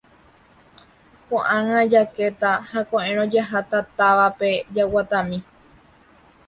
ko'ág̃a jakéta ha ko'ẽrõ jaháta távape jaguatami.